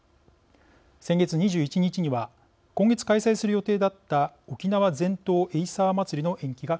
先月２１日には今月開催する予定だった沖縄全島エイサーまつりの延期が決まりました。